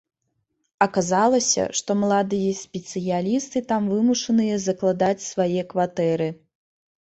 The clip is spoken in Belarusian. Аказалася, што маладыя спецыялісты там вымушаныя закладаць свае кватэры.